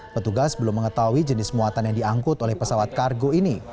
petugas belum mengetahui jenis muatan yang diangkut oleh pesawat kargo ini